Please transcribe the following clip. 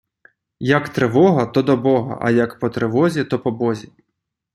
Як тривога, то до Бога, а як по тривозі, то по Бозі.